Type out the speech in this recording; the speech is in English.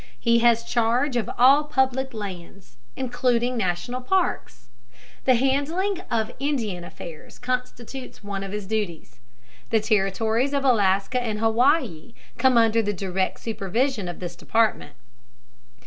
He has charge of all public lands, including national parks. The handling of Indian affairs constitutes one of his duties. The territories of Alaska and Hawaii come under the direct supervision of this department.